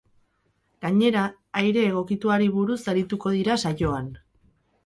Gainera, aire egokituari buruz arituko dira saioan.